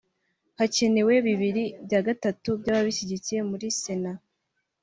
hakenewe bibiri bya gatatu by'ababishyigikiye muri sena